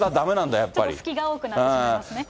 ちょっと隙が多くなってしまいますね。